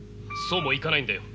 そうもいかないんだよ。